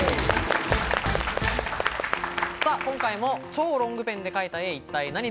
今回も「超ロングペンで描いた絵一体ナニ！？」